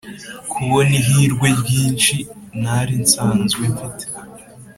kubona ihirwe ryinshi ntari nsanzwe mfite;